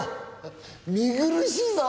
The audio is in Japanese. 見苦しいぞ。